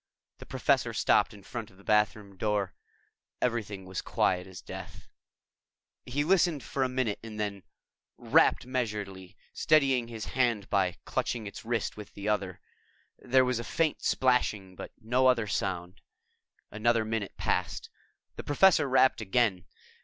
The Professor stopped in front of the bathroom door. Everything was quiet as death. He listened for a minute and then rapped measuredly, steadying his hand by clutching its wrist with the other. There was a faint splashing, but no other sound. Another minute passed. The Professor rapped again.